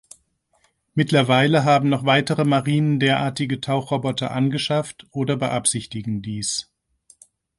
Mittlerweile haben noch weitere Marinen derartige Tauchroboter angeschafft oder beabsichtigen dies.